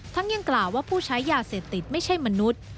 ยังกล่าวว่าผู้ใช้ยาเสพติดไม่ใช่มนุษย์